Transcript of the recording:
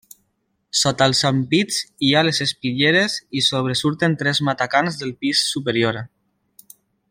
Sota els ampits hi ha les espitlleres i sobresurten tres matacans del pis superior.